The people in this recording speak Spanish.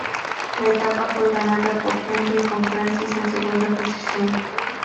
La etapa fue ganada por Henri, con Francis en segunda posición.